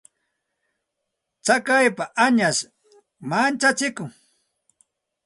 Tsakaypa añash manchachikun.